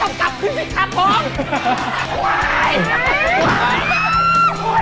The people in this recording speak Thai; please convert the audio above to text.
หมดแล้วก็ต้องกลับขึ้นสิครับผม